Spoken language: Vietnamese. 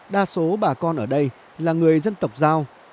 đa số bà con ở đây là người dân tộc giao